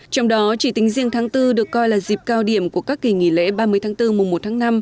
trong đó chỉ tính riêng tháng bốn được coi là dịp cao điểm của các kỳ nghỉ lễ ba mươi tháng bốn mùa một tháng năm